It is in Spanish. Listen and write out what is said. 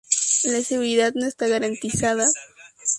La seguridad no está garantizada.